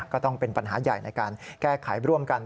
ก็ต้องเป็นปัญหาใหญ่ในการแก้ไขร่วมกัน